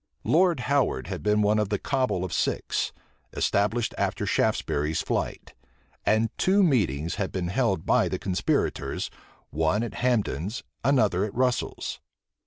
Lord Howard had been one of the cabal of six, established after Shaftesbury's flight; and two meetings had been held by the conspirators, one at Hambden's, another at Russel's.